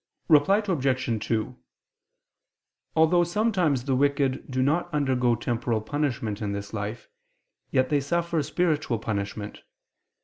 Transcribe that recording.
Reply Obj. 2: Although sometimes the wicked do not undergo temporal punishment in this life, yet they suffer spiritual punishment.